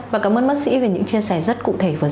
và cảm ơn bác sĩ về những chia sẻ rất cụ thể vừa rồi